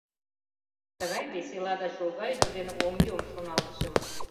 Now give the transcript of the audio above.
«Тыгай весела да чолга ӱдыр дене ом йом, — шоналтышым.